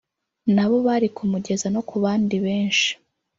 nabo bari kumugeza no ku bandi benshi